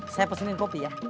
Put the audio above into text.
saya pesenin kopi ya